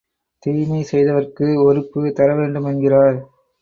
தீமை செய்தவர்க்கு ஒறுப்பு தரவேண்டும் என்கிறார்.